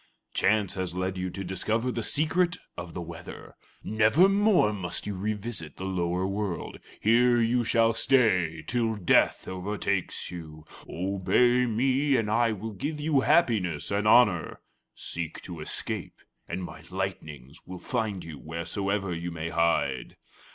Chance has led you to discover the secret of the weather. Nevermore must you revisit the lower world. Here shall you stay till Death overtakes you. Obey me, and I will give you happiness and honor; seek to escape, and my lightnings will find you wheresoever you may hide."